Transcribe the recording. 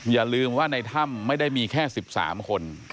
อย่าลืมว่าในถ้ำไม่ได้มีแค่๑๓คน